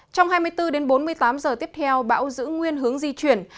trong hai mươi bốn đến bốn mươi tám giờ tiếp theo bão giữ nguyên hướng di chuyển